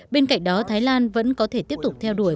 bên cạnh đó thái lan vẫn có thể tiếp tục theo đuổi